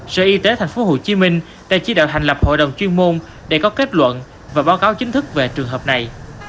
sở y tế tp hcm đã chỉ đạo hành lập hội đồng chuyên môn để có kết luận và báo cáo chính thức về trường hợp này